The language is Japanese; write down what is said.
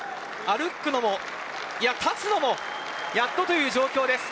歩くのも、いや、立つのもやっとという状況です。